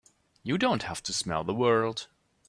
You don't have to smell the world!